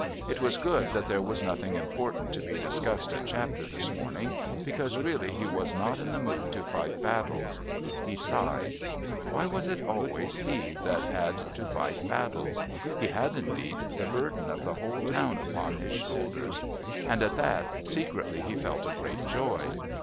It was good that there was nothing important to be discussed at Chapter this morning, because really he was not in the mood to fight battles. He sighed. Why was it always he that had to fight battles? He had indeed the burden of the whole town upon his shoulders. And at that secretly he felt a great joy.